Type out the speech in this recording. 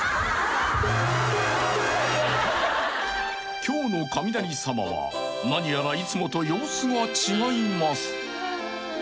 ［今日の雷様は何やらいつもと様子が違います］